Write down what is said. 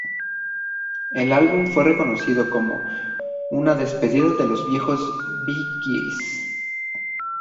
El álbum fue reconocido como "una despedida a los viejos Bee Gees".